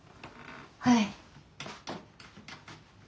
はい。